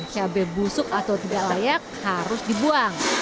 cabai busuk atau tidak layak harus dibuang